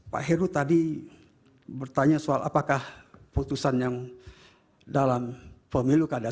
pak heru tadi bertanya soal apakah putusan yang dalam pemilu keadaan